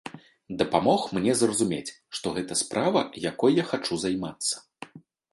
Дапамог мне зразумець, што гэта справа, якой я хачу займацца.